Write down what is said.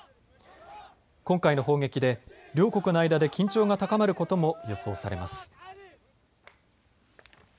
今回の砲撃で両国の間で緊張が高まることも予想されます。